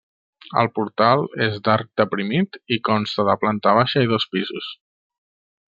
El portal és d'arc deprimit i consta de planta baixa i dos pisos.